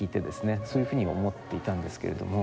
そういうふうに思っていたんですけれども。